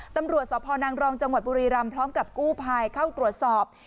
ตำรวจสพนางรองจังหวัดบุรีรำพร้อมกับกู้ภัยเข้าตรวจสอบ